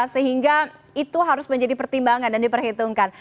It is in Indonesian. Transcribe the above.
sehingga itu harus menjadi pertimbangan dan diperhitungkan